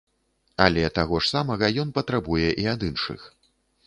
Але таго ж самага ён патрабуе і ад іншых.